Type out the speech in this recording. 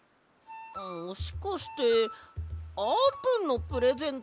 もしかしてあーぷんのプレゼント？